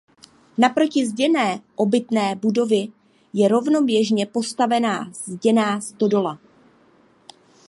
Naproti zděné obytné budovy je rovnoběžně postavená zděná stodola.